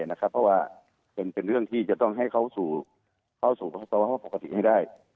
เพราะว่าเป็นเรื่องที่จะต้องให้เขาเข้าสู่ภาวะปกติให้ได้